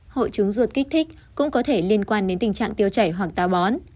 hội trứng ruột kích thích cũng có thể liên quan đến tình trạng tiêu chảy hoặc táo bón